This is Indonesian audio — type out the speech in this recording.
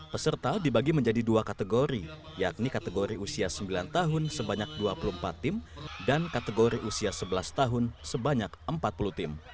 peserta dibagi menjadi dua kategori yakni kategori usia sembilan tahun sebanyak dua puluh empat tim dan kategori usia sebelas tahun sebanyak empat puluh tim